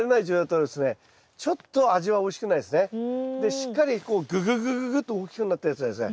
しっかりこうぐぐぐぐぐと大きくなったやつはですね